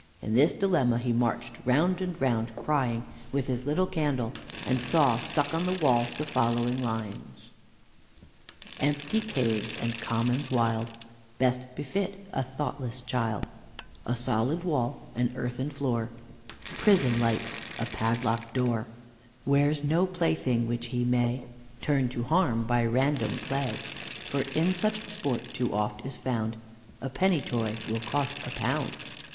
In this dilemma he marched round and round, crying, with his little candle, and saw stuck on the walls the following lines: "Empty caves and commons wild Best befit a thoughtless child, A solid wall, an earthen floor, Prison lights, a padlock'd door, Where's no plaything which he may Turn to harm by random play, For in such sport too oft is found A penny toy will cost a pound.